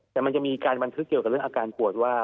แต่มันจะมีการบันทึกเกี่ยวกับเรื่องอาการปวดว่า